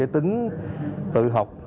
tính tự học